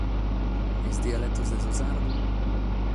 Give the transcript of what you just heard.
E sos dialetos de su sardu?